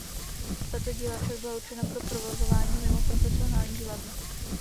Tato díla však byla určena pro provozování mimo profesionální divadla.